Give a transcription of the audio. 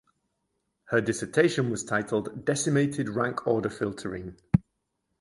Her dissertation was titled "Decimated Rank Order Filtering".